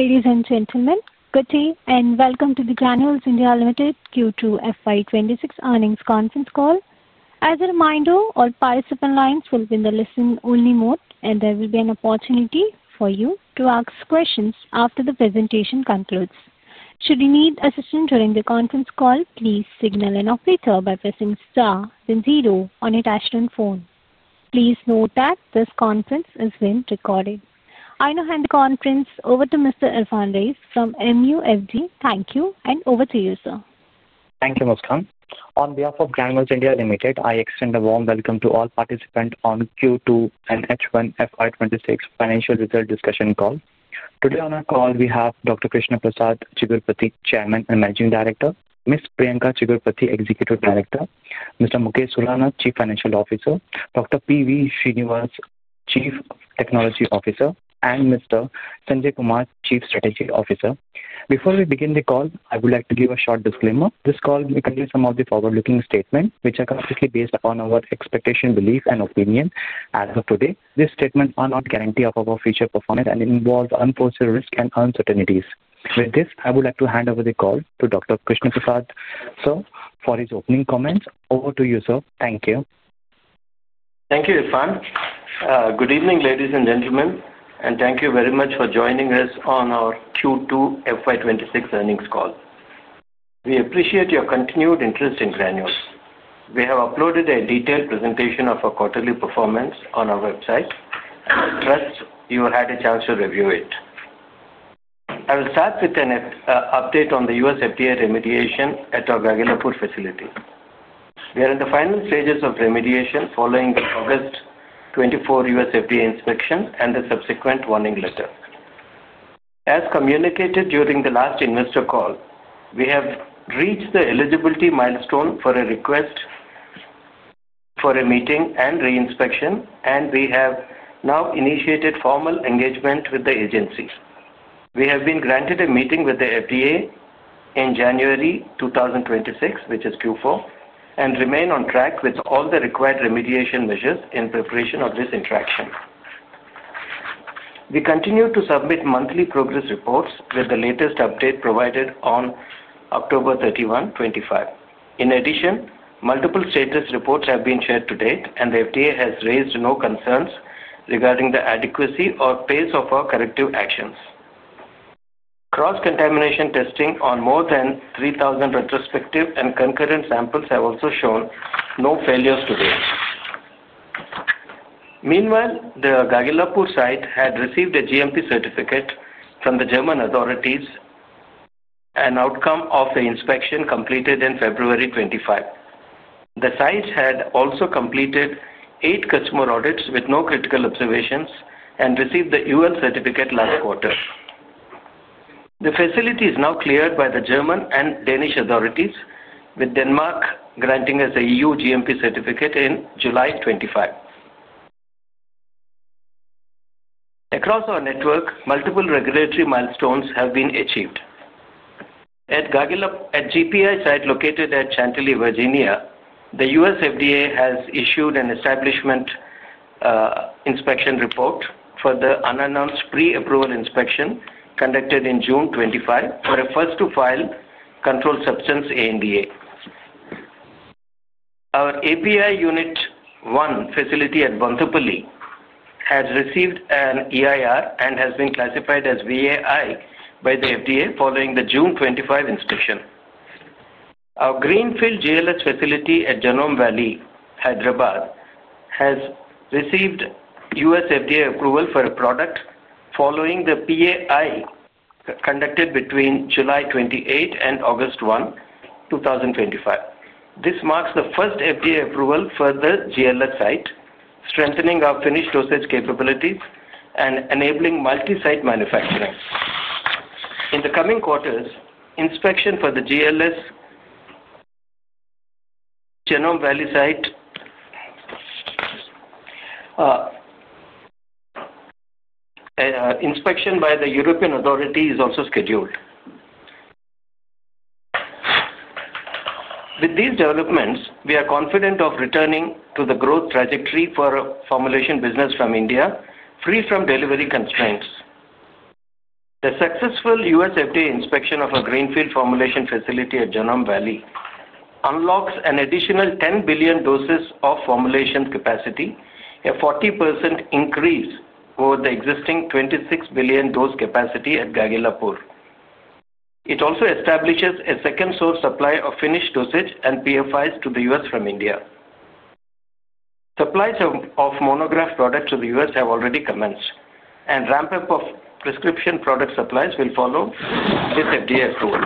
Ladies and gentlemen, good day and welcome to the Granules India Limited Q2 FY 2026 Earnings Conference Call. As a reminder, all participant lines will be in the listen-only mode, and there will be an opportunity for you to ask questions after the presentation concludes. Should you need assistance during the conference call, please signal an operator by pressing star then zero on your touchscreen phone. Please note that this conference is being recorded. I now hand the conference over to Mr. Irfan Raeen from MUFG. Thank you, and over to you, sir. Thank you, Muskan. On behalf of Granules India Limited, I extend a warm welcome to all participants on Q2 and H1 FY 2026 financial result discussion call. Today on our call, we have Dr. Krishna Prasad Chigurupati, Chairman and Managing Director; Ms. Priyanka Chigurupati, Executive Director; Mr. Mukesh Surana, Chief Financial Officer; Dr. P.V. Srinivas, Chief Technology Officer; and Mr. Sanjay Kumar, Chief Strategy Officer. Before we begin the call, I would like to give a short disclaimer. This call may contain some of the forward-looking statements, which are completely based upon our expectation, belief, and opinion as of today. These statements are not a guarantee of our future performance and involve unforeseen risks and uncertainties. With this, I would like to hand over the call to Dr. Krishna Prasad, sir, for his opening comments. Over to you, sir. Thank you. Thank you, Irfan. Good evening, ladies and gentlemen, and thank you very much for joining us on our Q2 FY 2026 earnings call. We appreciate your continued interest in Granules. We have uploaded a detailed presentation of our quarterly performance on our website. I trust you had a chance to review it. I will start with an update on the U.S. FDA remediation at our Gagillapur facility. We are in the final stages of remediation following the August 2024 U.S. FDA inspection and the subsequent warning letter. As communicated during the last investor call, we have reached the eligibility milestone for a request for a meeting and re-inspection, and we have now initiated formal engagement with the agency. We have been granted a meeting with the FDA in January 2026, which is Q4, and remain on track with all the required remediation measures in preparation of this interaction. We continue to submit monthly progress reports with the latest update provided on October 31, 2025. In addition, multiple status reports have been shared to date, and the FDA has raised no concerns regarding the adequacy or pace of our corrective actions. Cross-contamination testing on more than 3,000 retrospective and concurrent samples has also shown no failures to date. Meanwhile, the Gagillapur site had received a GMP certificate from the German authorities, an outcome of the inspection completed in February 2025. The site had also completed eight customer audits with no critical observations and received the UL certificate last quarter. The facility is now cleared by the German and Danish authorities, with Denmark granting us a UGMP certificate in July 2025. Across our network, multiple regulatory milestones have been achieved. At GPI site located at Chantilly, Virginia, the U.S. FDA has issued an Establishment Inspection Report for the unannounced pre-approval inspection conducted in June 2025 for a first-to-file controlled substance ANDA. Our API Unit One facility at Bonthapally has received an EIR and has been classified as VAI by the FDA following the June 2025 inspection. Our Greenfield GLS facility at Genome Valley, Hyderabad, has received U.S. FDA approval for a product following the PAI conducted between July 28 and August 1, 2025. This marks the first FDA approval for the GLS site, strengthening our finished dosage capabilities and enabling multi-site manufacturing. In the coming quarters, inspection for the GLS Genome Valley site, inspection by the European authority is also scheduled. With these developments, we are confident of returning to the growth trajectory for formulation business from India, free from delivery constraints. The successful U.S. FDA inspection of our Greenfield formulation facility at Genome Valley unlocks an additional 10 billion doses of formulation capacity, a 40% increase over the existing 26 billion dose capacity at Gagillapur. It also establishes a second source supply of finished dosage and PFIs to the U.S. from India. Supplies of monograph products to the U.S. have already commenced, and ramp-up of prescription product supplies will follow this FDA approval.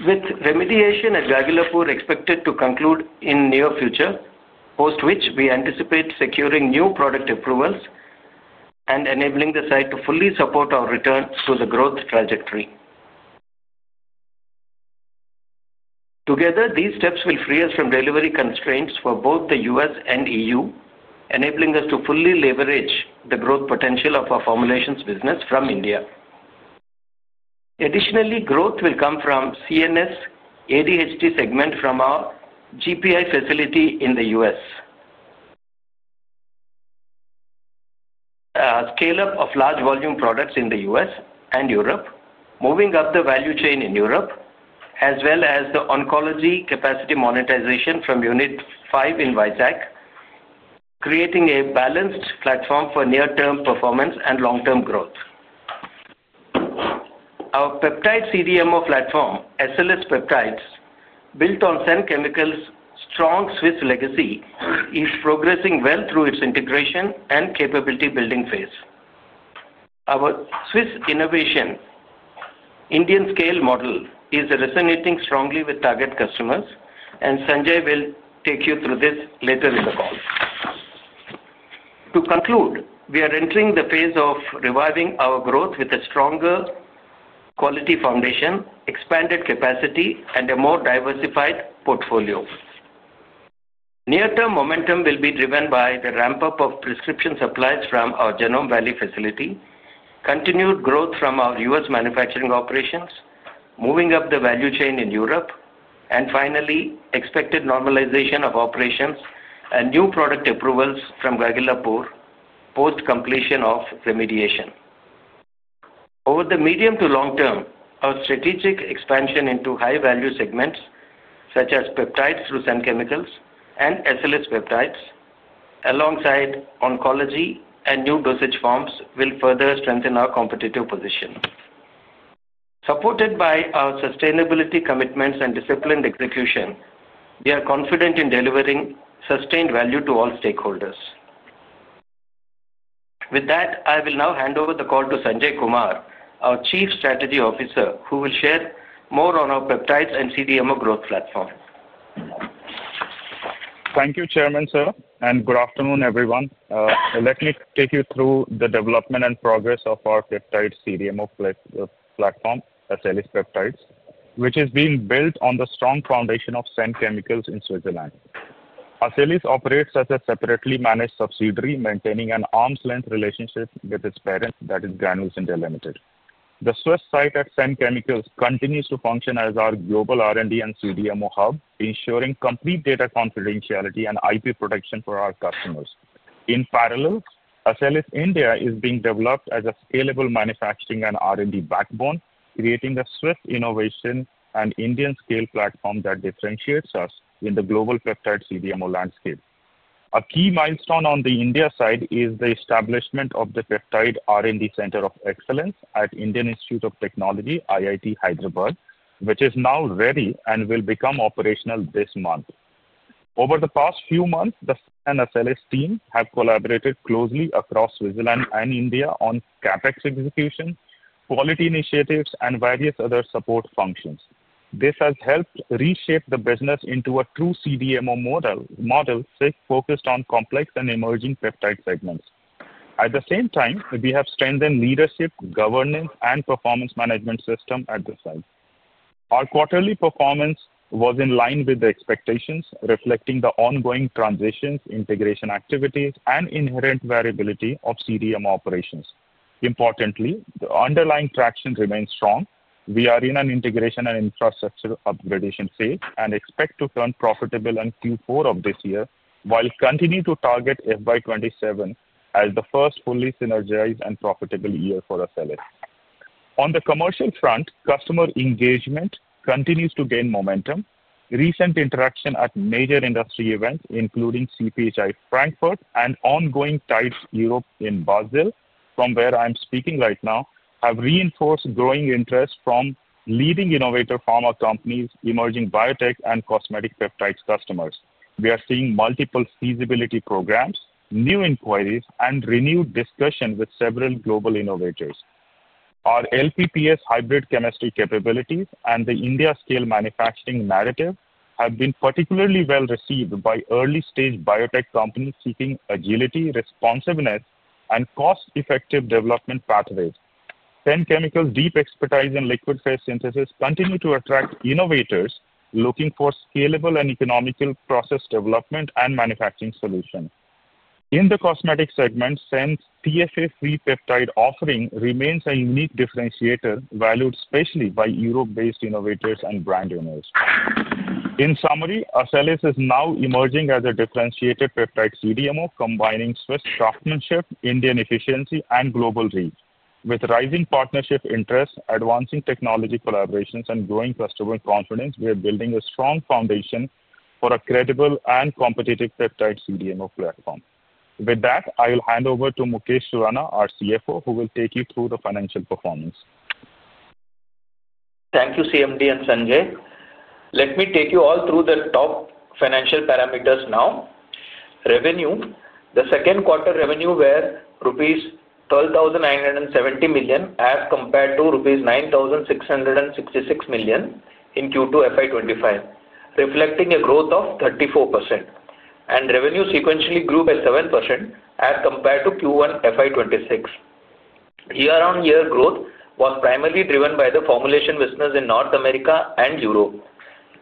With remediation at Gagillapur expected to conclude in the near future, post which we anticipate securing new product approvals and enabling the site to fully support our return to the growth trajectory. Together, these steps will free us from delivery constraints for both the U.S. and EU, enabling us to fully leverage the growth potential of our formulations business from India. Additionally, growth will come from CNS ADHD segment from our GPI facility in the U.S., scale-up of large volume products in the U.S. and Europe, moving up the value chain in Europe, as well as the oncology capacity monetization from Unit Five in Visak, creating a balanced platform for near-term performance and long-term growth. Our peptide CDMO platform, SLS Peptides, built on Senn Chemicals' strong Swiss legacy, is progressing well through its integration and capability-building phase. Our Swiss innovation, Indian-scale model, is resonating strongly with target customers, and Sanjay will take you through this later in the call. To conclude, we are entering the phase of reviving our growth with a stronger quality foundation, expanded capacity, and a more diversified portfolio. Near-term momentum will be driven by the ramp-up of prescription supplies from our Genome Valley facility, continued growth from our U.S. manufacturing operations, moving up the value chain in Europe, and finally, expected normalization of operations and new product approvals from Gagillapur post-completion of remediation. Over the medium to long term, our strategic expansion into high-value segments such as peptides through Senn Chemicals and SLS Peptides, alongside oncology and new dosage forms, will further strengthen our competitive position. Supported by our sustainability commitments and disciplined execution, we are confident in delivering sustained value to all stakeholders. With that, I will now hand over the call to Sanjay Kumar, our Chief Strategy Officer, who will share more on our peptides and CDMO growth platform. Thank you, Chairman, sir, and good afternoon, everyone. Let me take you through the development and progress of our peptide CDMO platform, SLS Peptides, which is being built on the strong foundation of Senn Chemicals in Switzerland. SLS operates as a separately managed subsidiary, maintaining an arm's length relationship with its parent, that is, Granules India Limited. The Swiss site at Senn Chemicals continues to function as our global R&D and CDMO hub, ensuring complete data confidentiality and IP protection for our customers. In parallel, SLS India is being developed as a scalable manufacturing and R&D backbone, creating a Swiss innovation and Indian-scale platform that differentiates us in the global peptide CDMO landscape. A key milestone on the India side is the establishment of the Peptide R&D Center of Excellence at Indian Institute of Technology, IIT Hyderabad, which is now ready and will become operational this month. Over the past few months, the Senn and SLS team have collaborated closely across Switzerland and India on CapEx execution, quality initiatives, and various other support functions. This has helped reshape the business into a true CDMO model focused on complex and emerging peptide segments. At the same time, we have strengthened leadership, governance, and performance management systems at the site. Our quarterly performance was in line with expectations, reflecting the ongoing transitions, integration activities, and inherent variability of CDMO operations. Importantly, the underlying traction remains strong. We are in an integration and infrastructure upgradation phase and expect to turn profitable in Q4 of this year while continuing to target FY 2027 as the first fully synergized and profitable year for SLS. On the commercial front, customer engagement continues to gain momentum. Recent interactions at major industry events, including CPHI Frankfurt and ongoing Tides Europe in Basel, from where I'm speaking right now, have reinforced growing interest from leading innovator pharma companies, emerging biotech, and cosmetic peptides customers. We are seeing multiple feasibility programs, new inquiries, and renewed discussions with several global innovators. Our LPPS hybrid chemistry capabilities and the India-scale manufacturing narrative have been particularly well received by early-stage biotech companies seeking agility, responsiveness, and cost-effective development pathways. Senn Chemicals' deep expertise in liquid phase synthesis continues to attract innovators looking for scalable and economical process development and manufacturing solutions. In the cosmetic segment, Senn's TFA-free peptide offering remains a unique differentiator valued especially by Europe-based innovators and brand owners. In summary, SLS is now emerging as a differentiated peptide CDMO, combining Swiss shopmanship, Indian efficiency, and global reach. With rising partnership interests, advancing technology collaborations, and growing customer confidence, we are building a strong foundation for a credible and competitive peptide CDMO platform. With that, I will hand over to Mukesh Surana, our CFO, who will take you through the financial performance. Thank you, CMD and Sanjay. Let me take you all through the top financial parameters now. Revenue, the second quarter revenue was rupees 12,970 million as compared to rupees 9,666 million in Q2 FY 2025, reflecting a growth of 34%. Revenue sequentially grew by 7% as compared to Q1 FY 2026. Year-on-year growth was primarily driven by the formulation business in North America and Europe.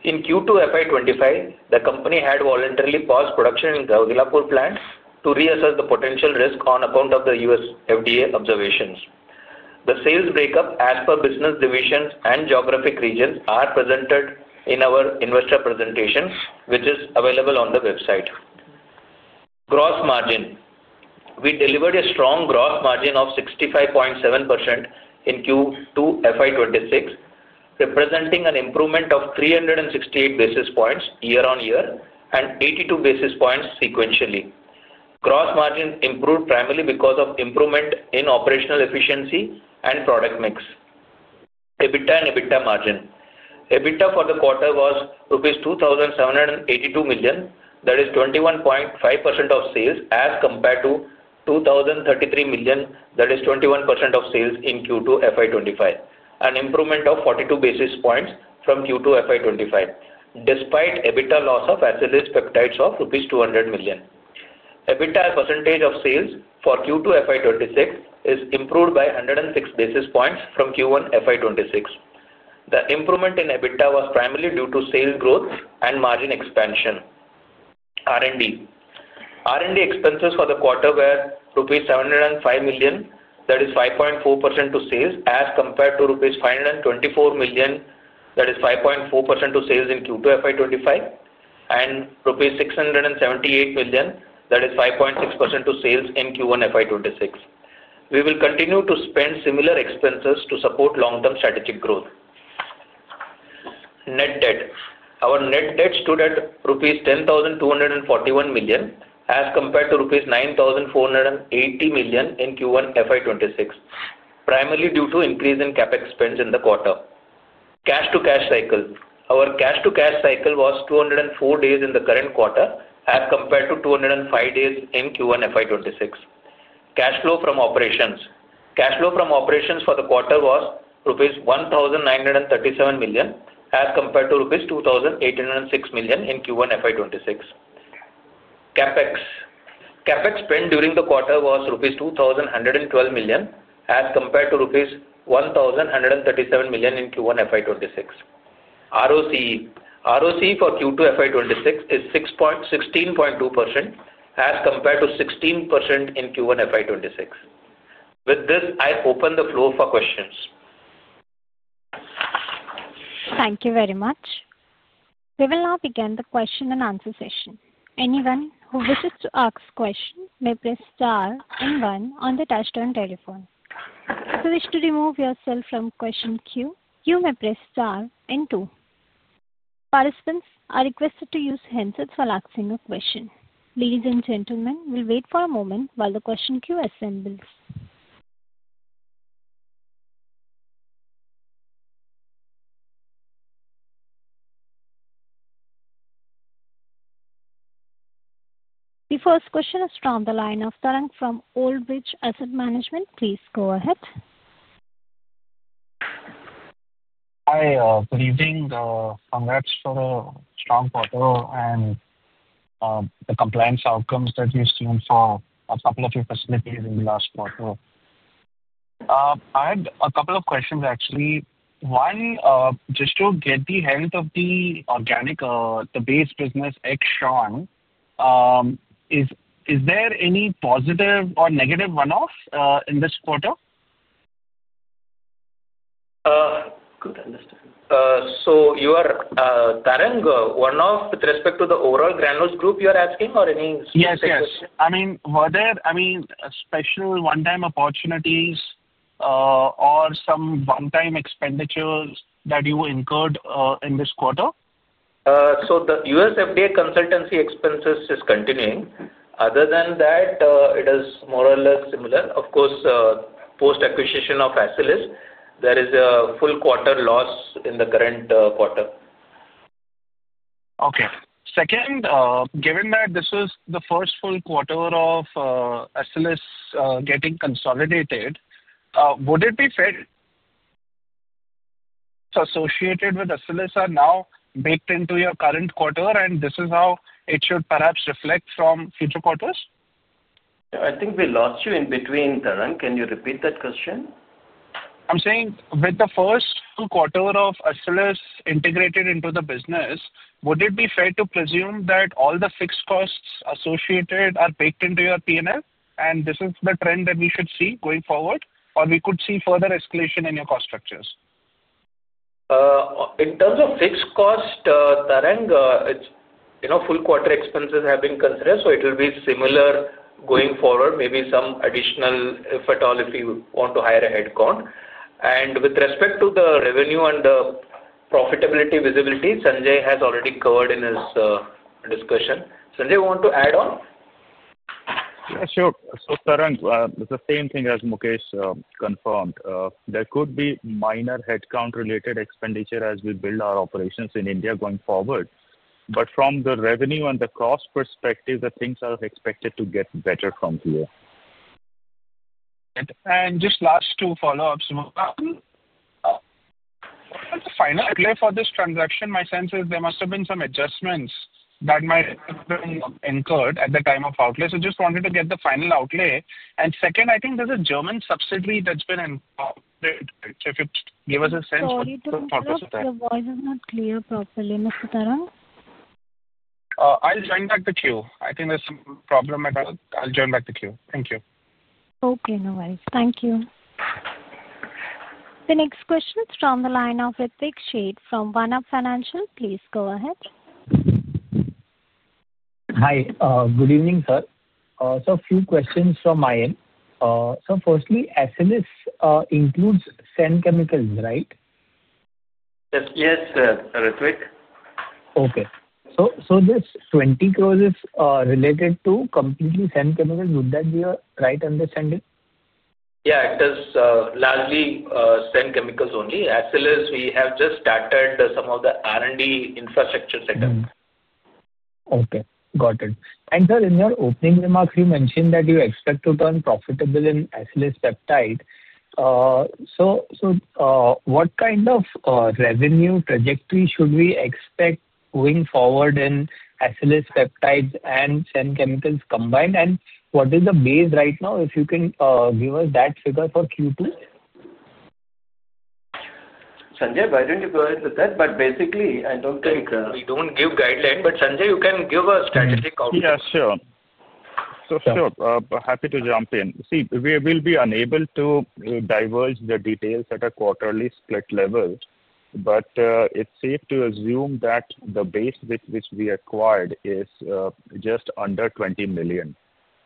In Q2 FY 2025, the company had voluntarily paused production in the Gagillapur plant to reassess the potential risk on account of the U.S. FDA observations. The sales breakup as per business divisions and geographic regions are presented in our investor presentation, which is available on the website. Gross margin, we delivered a strong gross margin of 65.7% in Q2 FY 2026, representing an improvement of 368 basis points year-on-year and 82 basis points sequentially. Gross margin improved primarily because of improvement in operational efficiency and product mix. EBITDA and EBITDA margin, EBITDA for the quarter was rupees 2,782 million, that is 21.5% of sales as compared to 2,033 million, that is 21% of sales in Q2 FY 2025, an improvement of 42 basis points from Q2 FY 2025, despite EBITDA loss of SLS Peptides of INR 200 million. EBITDA percentage of sales for Q2 FY 2026 is improved by 106 basis points from Q1 FY 2026. The improvement in EBITDA was primarily due to sales growth and margin expansion. R&D. R&D expenses for the quarter were rupees 705 million, that is 5.4% to sales as compared to rupees 524 million, that is 5.4% to sales in Q2 FY 2025, and rupees 678 million, that is 5.6% to sales in Q1 FY 2026. We will continue to spend similar expenses to support long-term strategic growth. Net debt, our net debt stood at rupees 10,241 million as compared to rupees 9,480 million in Q1 FY 2026, primarily due to increase in CapEx spends in the quarter. Cash-to-cash cycle, our cash-to-cash cycle was 204 days in the current quarter as compared to 205 days in Q1 FY 2026. Cash flow from operations, cash flow from operations for the quarter was rupees 1,937 million as compared to rupees 2,806 million in Q1 FY 2026. CapEx, CapEx spent during the quarter was rupees 2,112 million as compared to rupees 1,137 million in Q1 FY 2026. ROCE, ROCE for Q2 FY 2026 is 16.2% as compared to 16% in Q1 FY 2026. With this, I open the floor for questions. Thank you very much. We will now begin the question and answer session. Anyone who wishes to ask a question may press star and one on the touch-tone telephone. If you wish to remove yourself from the question queue, you may press star and two. Participants are requested to use handsets while asking a question. Ladies and gentlemen, we'll wait for a moment while the question queue assembles. The first question is from the line of Tarang from Old Bridge Asset Management. Please go ahead. Hi, good evening. Congrats for the strong quarter and the compliance outcomes that you've seen for a couple of your facilities in the last quarter. I had a couple of questions, actually. One, just to get the health of the organic, the base business, ex-Senn, is there any positive or negative one-off in this quarter? Good to understand. You are Tarang, one-off with respect to the overall Granules group you are asking or any specific question? Yes, yes. I mean, were there any special one-time opportunities or some one-time expenditures that you incurred in this quarter? The U.S. FDA consultancy expenses are continuing. Other than that, it is more or less similar. Of course, post-acquisition of SLS, there is a full quarter loss in the current quarter. Okay. Second, given that this was the first full quarter of SLS getting consolidated, would it be fair associated with SLS are now baked into your current quarter, and this is how it should perhaps reflect from future quarters? I think we lost you in between, Tarang. Can you repeat that question? I'm saying with the first quarter of SLS integrated into the business, would it be fair to presume that all the fixed costs associated are baked into your P&L, and this is the trend that we should see going forward, or we could see further escalation in your cost structures? In terms of fixed cost, Tarang, full quarter expenses have been considered, so it will be similar going forward, maybe some additional if at all if you want to hire a headcount. With respect to the revenue and the profitability visibility, Sanjay has already covered in his discussion. Sanjay, you want to add on? Yeah, sure. Tarang, the same thing as Mukesh confirmed. There could be minor headcount-related expenditure as we build our operations in India going forward. From the revenue and the cost perspective, the things are expected to get better from here. Just last two follow-ups. What was the final outlay for this transaction? My sense is there must have been some adjustments that might have been incurred at the time of outlay. I just wanted to get the final outlay. I think there is a German subsidiary that has been involved. If you could give us a sense for the purpose of that. Sorry, your voice is not clear properly, Mr. Tarang. I'll join back the queue. I think there's some problem. I'll join back the queue. Thank you. Okay, no worries. Thank you. The next question is from the line of Ritwik Sheth from One Up Financial. Please go ahead. Hi, good evening, sir. A few questions from my end. Firstly, SLS includes Senn Chemicals, right? Yes, Ritwik. Okay. So this 20 closes related to completely Senn Chemicals. Would that be a right understanding? Yeah, it does largely Senn Chemicals only. SLS, we have just started some of the R&D infrastructure setup. Okay. Got it. Sir, in your opening remarks, you mentioned that you expect to turn profitable in SLS Peptides. What kind of revenue trajectory should we expect going forward in SLS Peptides and Senn Chemicals combined? What is the base right now, if you can give us that figure for Q2? Sanjay, I didn't give you a guideline with that, but basically, I don't think. We don't give guideline, but Sanjay, you can give a strategic outlook. Yeah, sure. Sure, happy to jump in. See, we will be unable to divulge the details at a quarterly split level, but it's safe to assume that the base which we acquired is just under $20 million.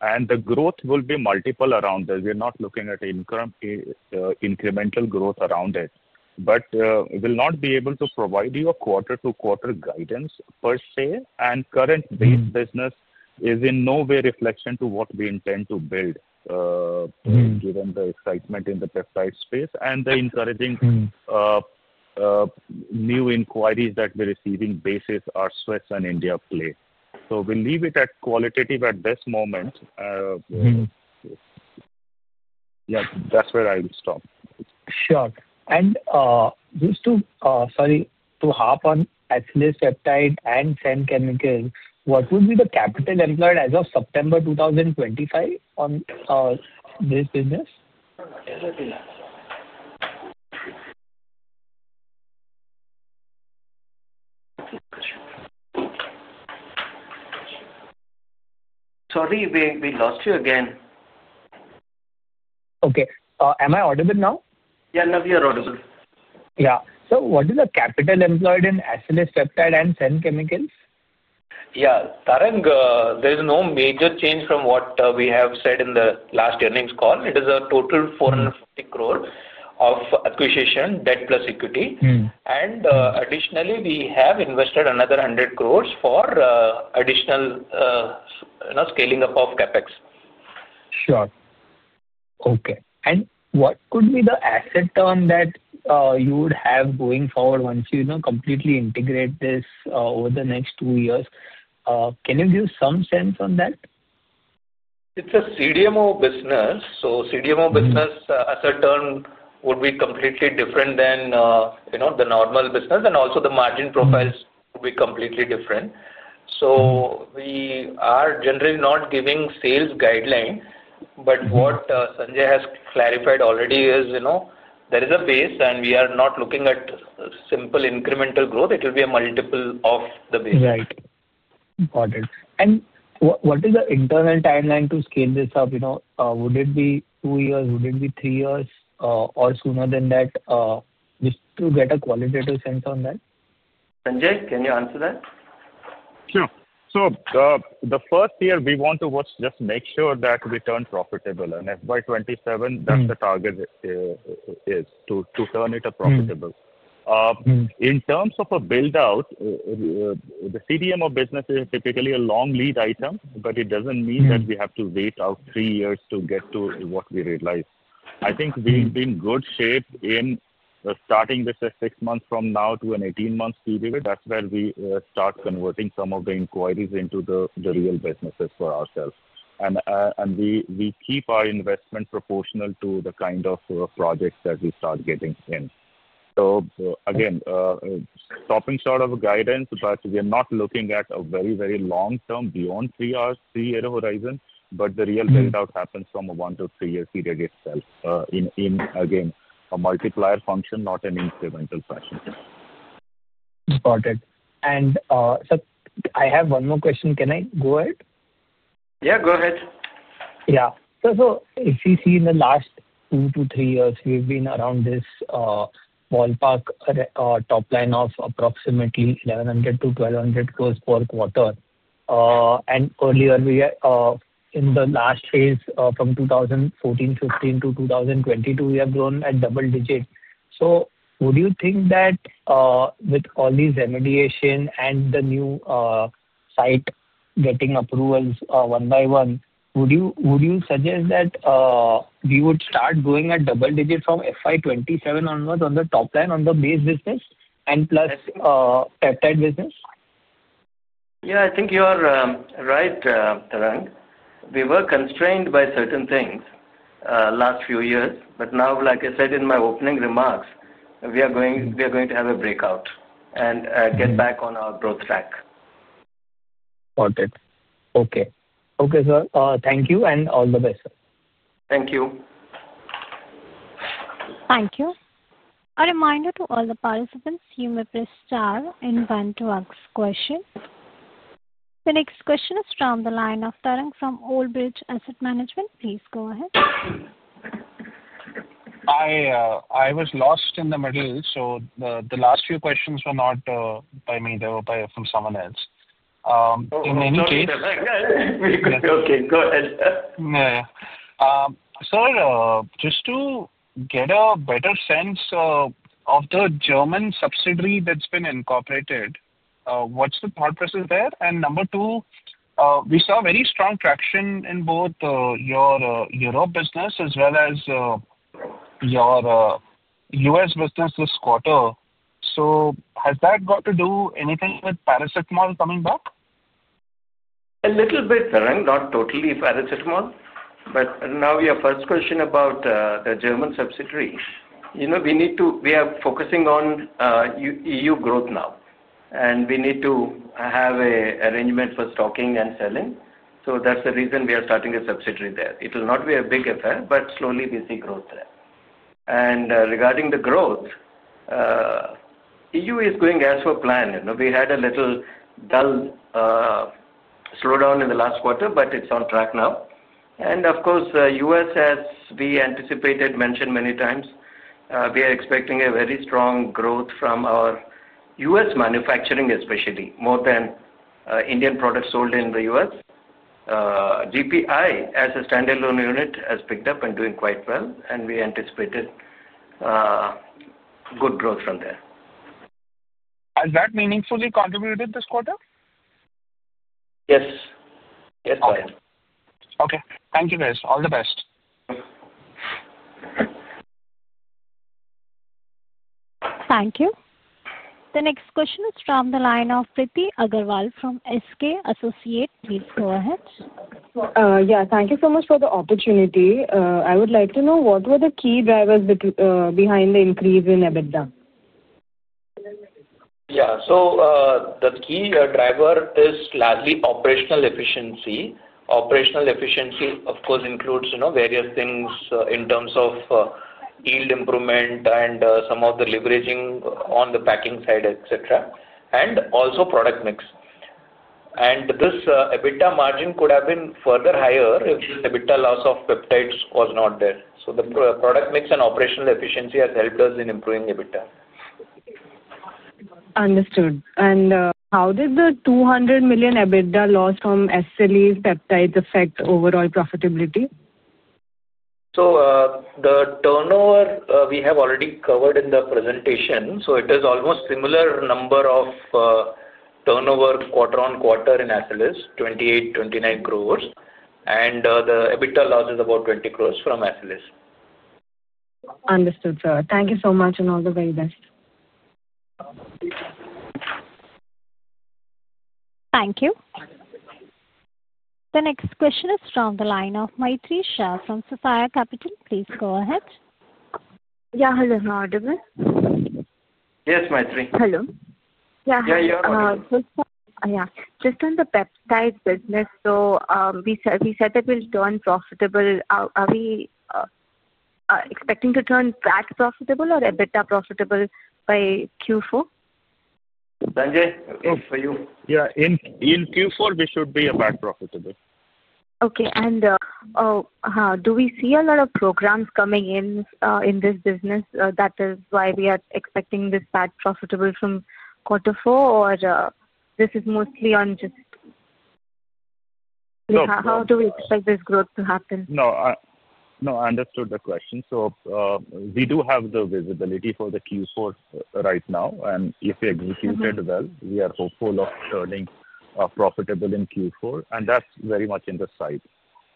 The growth will be multiple around this. We're not looking at incremental growth around it. We will not be able to provide you a quarter-to-quarter guidance per se, and current base business is in no way a reflection of what we intend to build given the excitement in the peptide space and the encouraging new inquiries that we're receiving basis our sweats and India play. We'll leave it at qualitative at this moment. Yeah, that's where I will stop. Sure. And just to, sorry, to hop on SLS Peptides and Senn Chemicals, what would be the capital employed as of September 2025 on this business? Sorry, we lost you again. Okay. Am I audible now? Yeah, now you're audible. Yeah. So what is the capital employed in SLS Peptides and Senn Chemicals? Yeah. Tarang, there is no major change from what we have said in the last earnings call. It is a total 450 crore of acquisition, debt plus equity. Additionally, we have invested another 100 crore for additional scaling up of CapEx. Sure. Okay. What could be the asset turn that you would have going forward once you completely integrate this over the next two years? Can you give some sense on that? It's a CDMO business. CDMO business asset turn would be completely different than the normal business, and also the margin profiles would be completely different. We are generally not giving sales guideline, but what Sanjay has clarified already is there is a base, and we are not looking at simple incremental growth. It will be a multiple of the base. Right. Got it. What is the internal timeline to scale this up? Would it be two years? Would it be three years or sooner than that? Just to get a qualitative sense on that. Sanjay, can you answer that? Sure. The first year, we want to just make sure that we turn profitable. In FY 2027, the target is to turn it profitable. In terms of a build-out, the CDMO business is typically a long lead item, but it does not mean that we have to wait out three years to get to what we realize. I think we have been in good shape in starting this at six months from now to an 18-month period. That is where we start converting some of the inquiries into the real businesses for ourselves. We keep our investment proportional to the kind of projects that we start getting in. Again, stopping short of a guidance, but we are not looking at a very, very long term beyond a three-year horizon. The real build-out happens from a one- to three-year period itself in, again, a multiplier function, not an incremental fashion. Got it. I have one more question. Can I go ahead? Yeah, go ahead. Yeah. If you see in the last two to three years, we've been around this ballpark top line of approximately 1,100 crore-1,200 crore per quarter. Earlier, in the last phase from 2014, 2015 to 2022, we have grown at double digit. Would you think that with all these remediation and the new site getting approvals one by one, would you suggest that we would start going at double digit from FY 2027 onwards on the top line on the base business and plus peptide business? Yeah, I think you are right, Tarang. We were constrained by certain things last few years, but now, like I said in my opening remarks, we are going to have a breakout and get back on our growth track. Got it. Okay. Okay, sir. Thank you and all the best, sir. Thank you. Thank you. A reminder to all the participants, you may press star and one to ask question. The next question is from the line of Tarang from Old Bridge Asset Management. Please go ahead. I was lost in the middle, so the last few questions were not by me. They were from someone else. In any case. Okay. Okay. Go ahead. Yeah. Sir, just to get a better sense of the German subsidiary that's been incorporated, what's the thought process there? Number two, we saw very strong traction in both your Europe business as well as your U.S. business this quarter. Has that got to do anything with Paracetamol coming back? A little bit, Tarang. Not totally Paracetamol. Now, your first question about the German subsidiary, we are focusing on EU growth now, and we need to have an arrangement for stocking and selling. That is the reason we are starting a subsidiary there. It will not be a big affair, but slowly we see growth there. Regarding the growth, EU is going as per plan. We had a little slowdown in the last quarter, but it is on track now. Of course, U.S., as we anticipated, mentioned many times, we are expecting very strong growth from our U.S. manufacturing, especially more than Indian products sold in the U.S.. GPI, as a standalone unit, has picked up and is doing quite well, and we anticipated good growth from there. Has that meaningfully contributed this quarter? Yes. Yes, sir. Okay. Thank you, guys. All the best. Thank you. The next question is from the line of Priti Agarwal from SK Associates. Please go ahead. Yeah. Thank you so much for the opportunity. I would like to know what were the key drivers behind the increase in EBITDA? Yeah. The key driver is largely operational efficiency. Operational efficiency, of course, includes various things in terms of yield improvement and some of the leveraging on the packing side, etc., and also product mix. This EBITDA margin could have been further higher if the EBITDA loss of peptides was not there. The product mix and operational efficiency have helped us in improving EBITDA. Understood. How did the 200 million EBITDA loss from SLS Peptides affect overall profitability? The turnover, we have already covered in the presentation. It is almost similar number of turnover quarter on quarter in SLS, 28 crore-29 crore, and the EBITDA loss is about 20 crore from SLS. Understood, sir. Thank you so much and all the very best. Thank you. The next question is from the line of Maitri Shah from Sapphire Capital. Please go ahead. Yeah. Hello. How are you doing? Yes, Maitri. Hello. Yeah. Yeah, you're okay. Yeah. Just on the peptide business, so we said that we'll turn profitable. Are we expecting to turn PAT profitable or EBITDA profitable by Q4? Sanjay, for you. Yeah. In Q4, we should be EBITDA profitable. Okay. Do we see a lot of programs coming in this business? That is why we are expecting this back profitable from quarter four, or is this mostly on just? How do we expect this growth to happen? No. No. I understood the question. We do have the visibility for Q4 right now, and if we execute it well, we are hopeful of turning profitable in Q4, and that's very much in sight.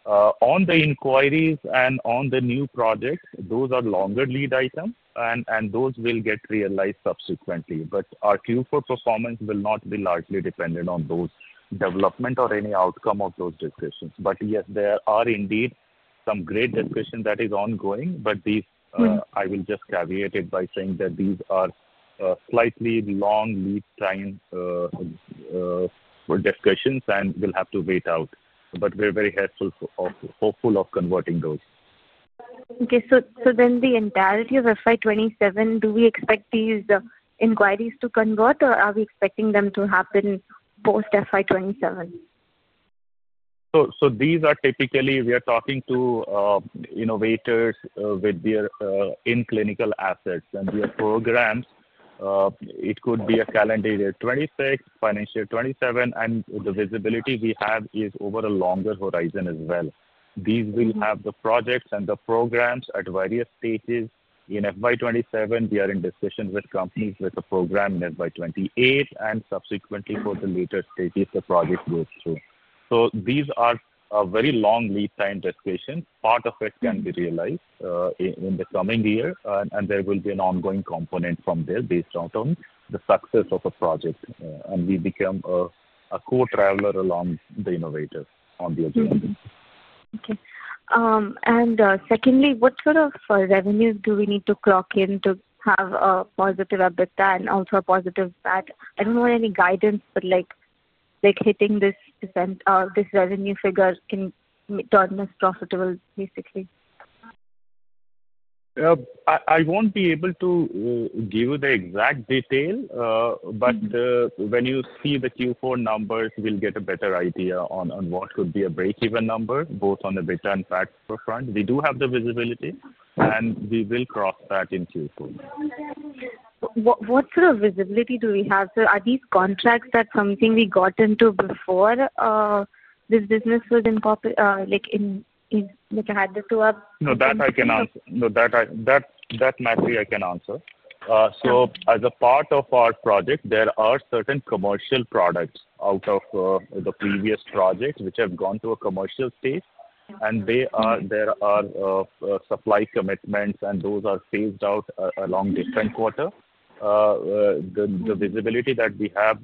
On the inquiries and on the new projects, those are longer lead items, and those will get realized subsequently. Our Q4 performance will not be largely dependent on those development or any outcome of those discussions. Yes, there are indeed some great discussions that are ongoing. I will just caveat it by saying that these are slightly long lead time discussions and will have to wait out. We are very hopeful of converting those. Okay. So then the entirety of FY 2027, do we expect these inquiries to convert, or are we expecting them to happen post FY 2027? These are typically we are talking to innovators with their in-clinical assets and their programs. It could be a calendar year 2026, financial year 2027, and the visibility we have is over a longer horizon as well. These will have the projects and the programs at various stages. In FY 2027, we are in discussions with companies with a program in FY 2028, and subsequently, for the later stages, the project goes through. These are very long lead time discussions. Part of it can be realized in the coming year, and there will be an ongoing component from there based out on the success of a project, and we become a co-traveler along the innovator on the agenda. Okay. Secondly, what sort of revenues do we need to clock in to have a positive EBITDA and also a positive VAT? I do not know any guidance, but hitting this revenue figure can turn us profitable, basically. I won't be able to give you the exact detail, but when you see the Q4 numbers, we'll get a better idea on what could be a break-even number, both on the EBITDA and VAT front. We do have the visibility, and we will cross that in Q4. What sort of visibility do we have? Are these contracts something we got into before this business was in like a hazard to us? No, that I can answer. No, that Maitri I can answer. As a part of our project, there are certain commercial products out of the previous projects which have gone to a commercial stage, and there are supply commitments, and those are phased out along different quarters. The visibility that we have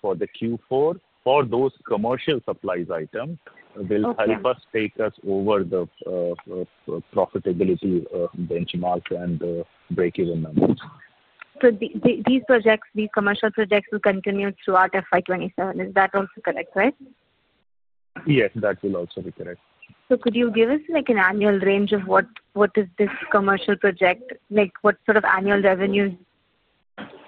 for the Q4 for those commercial supplies items will help us take us over the profitability benchmarks and break-even numbers. These commercial projects will continue throughout FY 2027. Is that also correct, right? Yes, that will also be correct. Could you give us an annual range of what is this commercial project? What sort of annual revenues?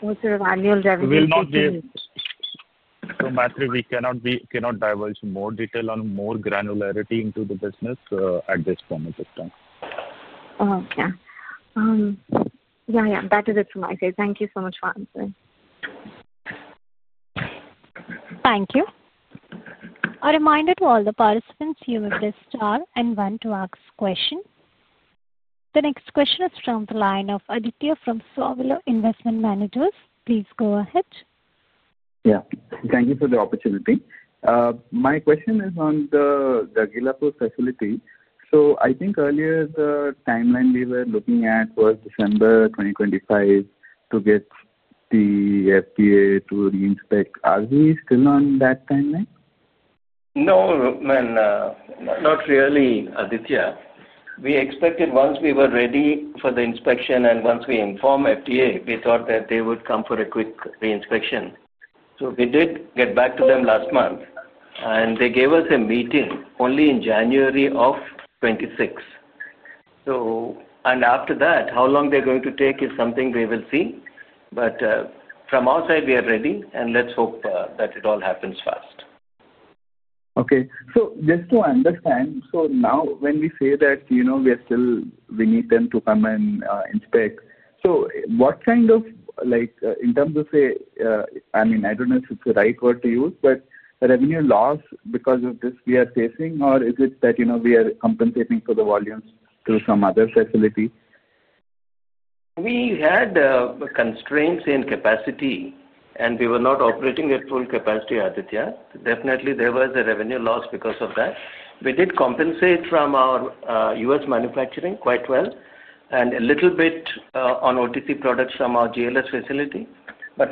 We will not be able to. Maitri, we cannot divulge more detail or more granularity into the business at this point in time. Okay. Yeah. Yeah. That is it from my side. Thank you so much for answering. Thank you. A reminder to all the participants, you may press star and one to ask question. The next question is from the line of Aditya from Sowilo Investment Managers. Please go ahead. Yeah. Thank you for the opportunity. My question is on the Gagillapur facility. So I think earlier, the timeline we were looking at was December 2025 to get the FDA to reinspect. Are we still on that timeline? No. Not really, Aditya. We expected once we were ready for the inspection and once we informed FDA, we thought that they would come for a quick reinspection. We did get back to them last month, and they gave us a meeting only in January of 2026. After that, how long they're going to take is something we will see. From our side, we are ready, and let's hope that it all happens fast. Okay. Just to understand, now when we say that we need them to come and inspect, what kind of, in terms of a—I mean, I do not know if it is the right word to use—revenue loss because of this we are facing, or is it that we are compensating for the volumes through some other facility? We had constraints in capacity, and we were not operating at full capacity, Aditya. Definitely, there was a revenue loss because of that. We did compensate from our U.S. manufacturing quite well and a little bit on OTC products from our GLS facility.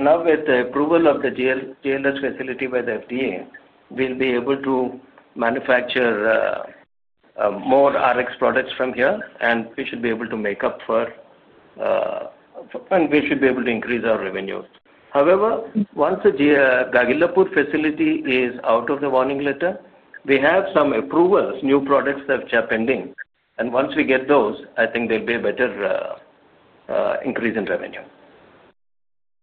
Now, with the approval of the GLS facility by the FDA, we will be able to manufacture more RX products from here, and we should be able to make up for—and we should be able to increase our revenue. However, once the Gagillapur facility is out of the warning letter, we have some approvals. New products have been pending, and once we get those, I think there will be a better increase in revenue.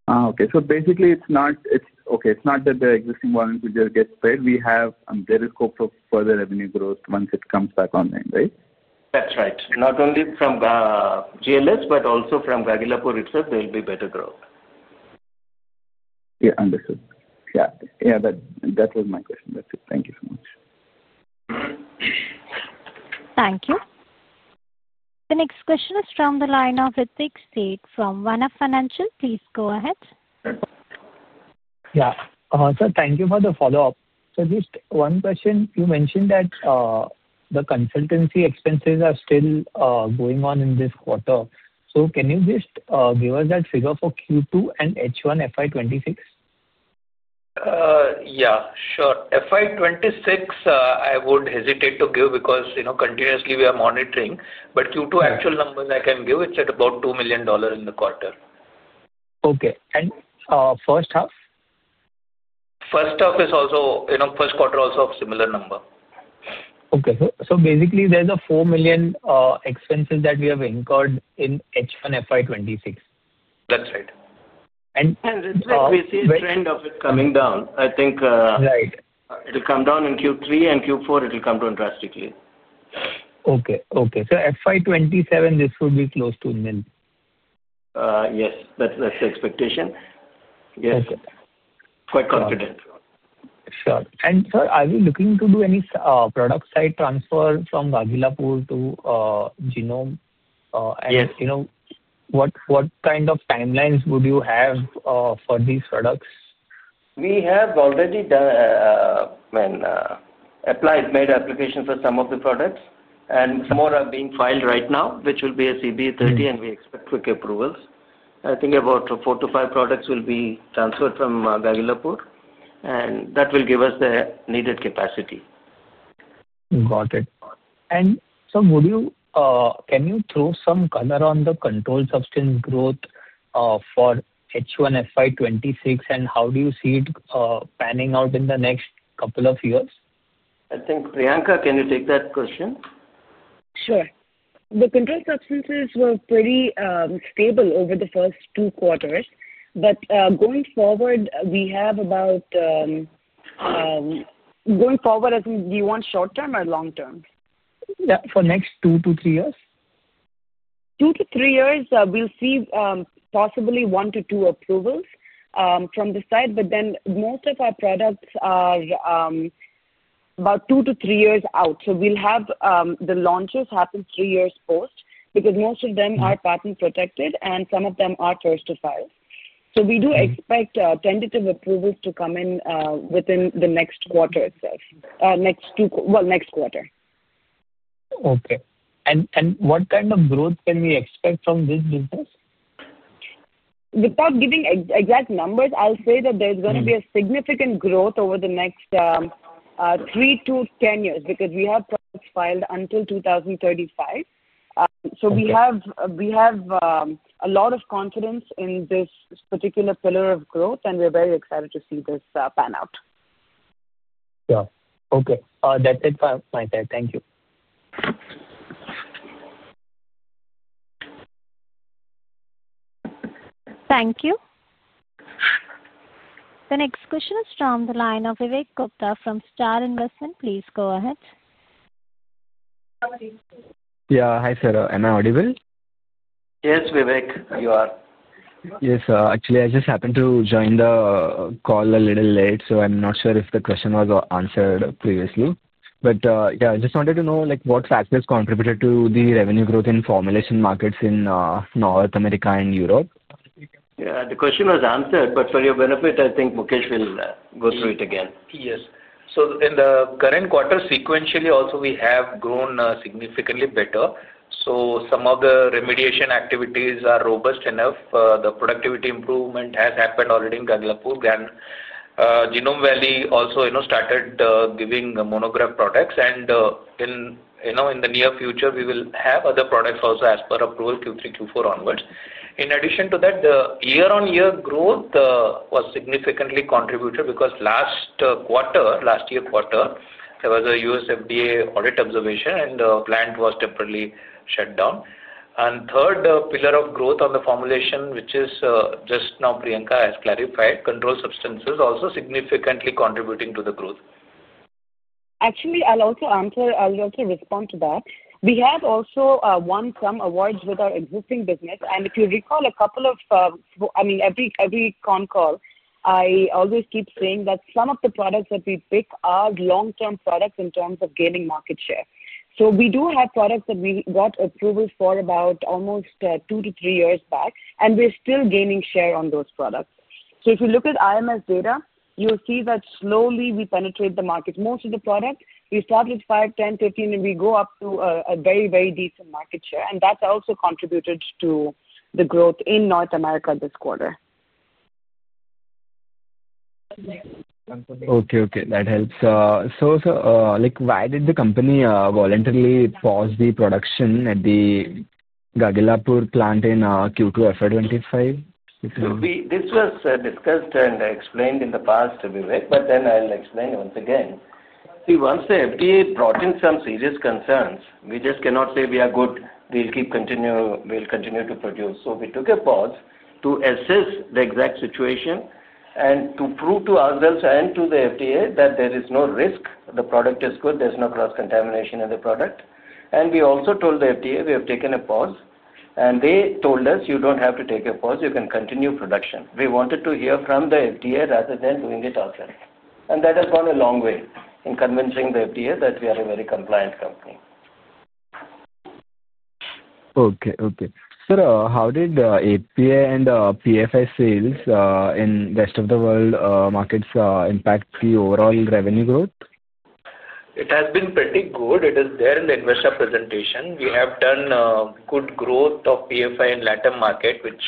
Okay. So basically, it's not—okay, it's not that the existing one will just get spared. We have a periscope for the revenue growth once it comes back online, right? That's right. Not only from GLS, but also from Gagillapur itself, there'll be better growth. Yeah. Understood. That was my question. That's it. Thank you so much. Thank you. The next question is from the line of Ritwik Sheth from One Up Financial. Please go ahead. Yeah. Thank you for the follow-up. Just one question. You mentioned that the consultancy expenses are still going on in this quarter. Can you just give us that figure for Q2 and H1 FY 2026? Yeah. Sure. FY 2026, I would hesitate to give because continuously we are monitoring. Q2 actual numbers I can give, it's at about $2 million in the quarter. Okay. First half? First half is also—first quarter also of similar number. Okay. So basically, there's a $4 million expenses that we have incurred in H1 FY 2026. That's right. And. It's a recession trend of it coming down. I think it'll come down in Q3, and Q4 it'll come down drastically. Okay. Okay. So FY 2027, this would be close to 1 million. Yes. That is the expectation. Yes. Quite confident. Sure. Sir, are you looking to do any product site transfer from Gagillapur to Genome? Yes. What kind of timelines would you have for these products? We have already applied, made application for some of the products, and some more are being filed right now, which will be a CB 30, and we expect quick approvals. I think about four to five products will be transferred from Gagillapur, and that will give us the needed capacity. Got it. Sir, can you throw some color on the controlled substance growth for H1 FY 2026, and how do you see it panning out in the next couple of years? I think Priyanka, can you take that question? Sure. The controlled substances were pretty stable over the first two quarters, but going forward, we have about—going forward, do you want short term or long term? Yeah. For next two to three years? Two to three years, we'll see possibly one to two approvals from the side, but then most of our products are about two to three years out. We'll have the launches happen three years post because most of them are patent protected, and some of them are first to file. We do expect tentative approvals to come in within the next quarter itself, next two—well, next quarter. Okay. What kind of growth can we expect from this business? Without giving exact numbers, I'll say that there's going to be a significant growth over the next 3 years-10 years because we have products filed until 2035. So we have a lot of confidence in this particular pillar of growth, and we're very excited to see this pan out. Yeah. Okay. That's it from my side. Thank you. Thank you. The next question is from the line of Vivek Gupta from Star Investment. Please go ahead. Yeah. Hi, sir. Am I audible? Yes, Vivek. You are. Yes. Actually, I just happened to join the call a little late, so I'm not sure if the question was answered previously. Yeah, I just wanted to know what factors contributed to the revenue growth in formulation markets in North America and Europe. Yeah. The question was answered, but for your benefit, I think Mukesh will go through it again. Yes. In the current quarter, sequentially, also we have grown significantly better. Some of the remediation activities are robust enough. The productivity improvement has happened already in Gagillapur, and Genome Valley also started giving monograph products. In the near future, we will have other products also as per approval Q3, Q4 onwards. In addition to that, the year-on-year growth was significantly contributed because last year quarter, there was a U.S. FDA audit observation, and the plant was temporarily shut down. Third, the pillar of growth on the formulation, which just now Priyanka has clarified, controlled substances also significantly contributing to the growth. Actually, I'll also answer—I’ll also respond to that. We have also won some awards with our existing business. If you recall a couple of—I mean, every con call, I always keep saying that some of the products that we pick are long-term products in terms of gaining market share. We do have products that we got approvals for about almost two to three years back, and we're still gaining share on those products. If you look at IMS data, you'll see that slowly we penetrate the market. Most of the product, we start with 5%, 10%, 15%, and we go up to a very, very decent market share, and that's also contributed to the growth in North America this quarter. Okay. Okay. That helps. So sir, why did the company voluntarily pause the production at the Gagillapur plant in Q2 FY 2025? This was discussed and explained in the past, Vivek, but then I'll explain once again. See, once the FDA brought in some serious concerns, we just cannot say we are good. We'll continue to produce. We took a pause to assess the exact situation and to prove to ourselves and to the FDA that there is no risk. The product is good. There is no cross-contamination in the product. We also told the FDA we have taken a pause, and they told us, "You don't have to take a pause. You can continue production." We wanted to hear from the FDA rather than doing it ourselves. That has gone a long way in convincing the FDA that we are a very compliant company. Okay. Okay. Sir, how did API and PFI sales in the rest of the world markets impact the overall revenue growth? It has been pretty good. It is there in the investor presentation. We have done good growth of PFI in latter market, which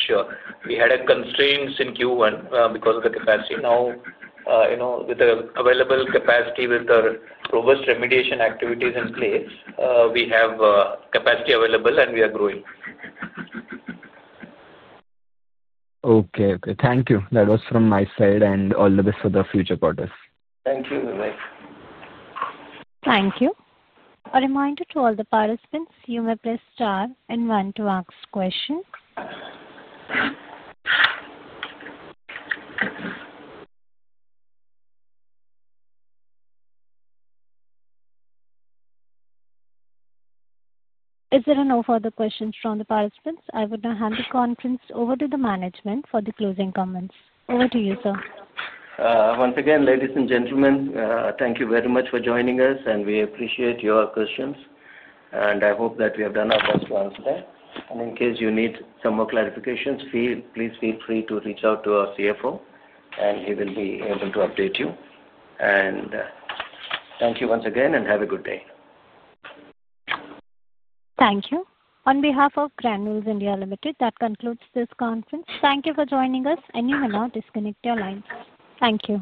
we had constraints in Q1 because of the capacity. Now, with the available capacity, with the robust remediation activities in place, we have capacity available, and we are growing. Okay. Okay. Thank you. That was from my side, and all the best for the future quarters. Thank you, Vivek. Thank you. A reminder to all the participants, you may press star and one to ask questions. If there are no further questions from the participants, I would now hand the conference over to the management for the closing comments. Over to you, sir. Once again, ladies and gentlemen, thank you very much for joining us, and we appreciate your questions. I hope that we have done our best to answer them. In case you need some more clarifications, please feel free to reach out to our CFO, and he will be able to update you. Thank you once again, and have a good day. Thank you. On behalf of Granules India Limited, that concludes this conference. Thank you for joining us, and you may now disconnect your lines. Thank you.